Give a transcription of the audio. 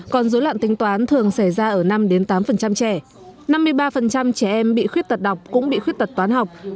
còn dối loạn tính toán thường xảy ra ở năm tám trẻ năm mươi ba trẻ em bị khuyết tật đọc cũng bị khuyết tật toán học